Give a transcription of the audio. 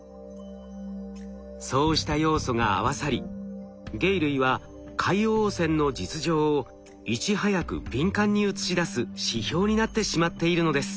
そうした要素が合わさり鯨類は海洋汚染の実情をいち早く敏感に映し出す指標になってしまっているのです。